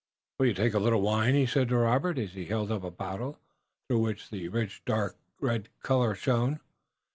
"Will you take a little wine?" he said to Robert, as he held up a bottle, through which the rich dark red color shone.